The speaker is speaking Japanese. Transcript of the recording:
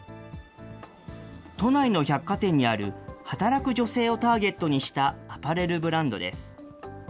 都内の百貨店にある働く女性をターゲットにしたアパレルブランドです。